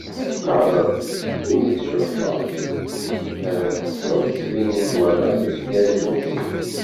Qqaren-d: "Imi tcebḥeḍ, mi ara tettesseḍ ttbinin-d waman di tgerjumtim."